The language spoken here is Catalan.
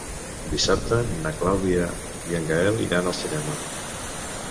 Dissabte na Clàudia i en Gaël iran al cinema.